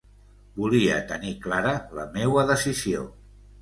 Volia tenir clara la meua decisió.